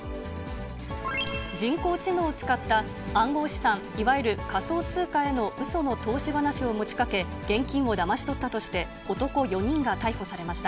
人工知能を使った暗号資産いわゆる仮想通貨へのうその投資話を持ちかけ、現金をだまし取ったとして、男４人が逮捕されました。